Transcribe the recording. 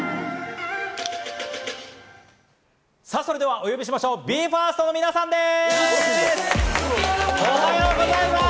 お呼びしましょう、ＢＥ：ＦＩＲＳＴの皆さんです！